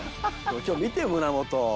今日見て胸元。